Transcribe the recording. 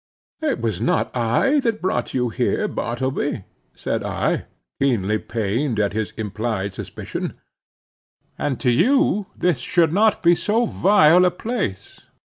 "It was not I that brought you here, Bartleby," said I, keenly pained at his implied suspicion. "And to you, this should not be so vile a place.